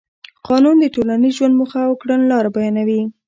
قانون د ټولنیز ژوند موخه او کړنلاره بیانوي.